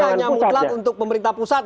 bukan hanya mutlak untuk pemerintah pusat